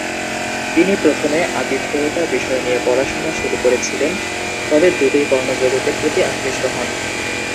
তিনি প্রথমে আতিথেয়তা বিষয় নিয়ে পড়াশোনা শুরু করেছিলেন, তবে দ্রুতই পর্ন জগতের প্রতি আকৃষ্ট হন।